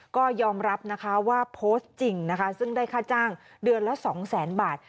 ก็ยอมรับนะคะว่าโพสต์จริงนะคะซึ่งได้ค่าจ้างเดือนละสองแสนบาท